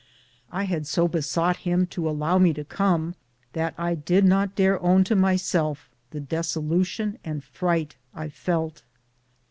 I had so besought him to allow me to come that I did not dare own to myself the desolation and fright I felt.